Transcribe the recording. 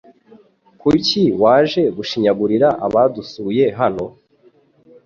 Kuki waje gushinyagurira abadusuye hano?